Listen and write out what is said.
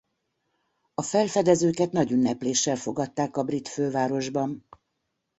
A felfedezőket nagy ünnepléssel fogadták a brit fővárosban.